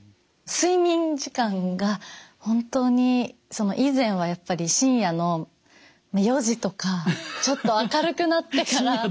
睡眠時間が本当にその以前はやっぱり深夜の４時とかちょっと明るくなってから。